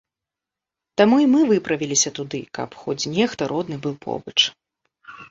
Таму і мы выправіліся туды, каб хоць нехта родны быў побач.